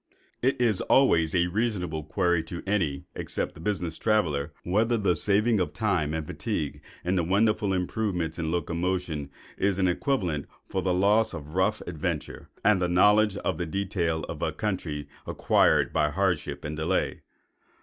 It is always a reasonable query to any, except a business traveller, whether the saving of time and fatigue in the wonderful improvements in locomotion is an equivalent for the loss of rough adventure and knowledge of the detail of a country acquired by hardship and delay.